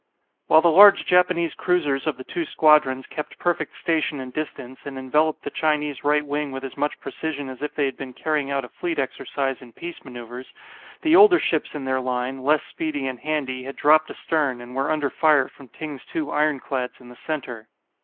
While the large Japanese cruisers of the two squadrons kept perfect station and distance, and enveloped the Chinese right wing with as much precision as if they had been carrying out a fleet exercise in peace manoeuvres, the older ships in their line, less speedy and handy, had dropped astern, and were under fire from Ting's two ironclads in the centre.